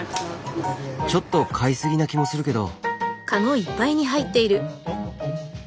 ちょっと買いすぎな気もするけど。